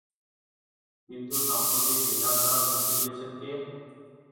কিন্তু সম্প্রতি রিহ্যাব ছাড়ার হুমকি দিয়েছেন কে?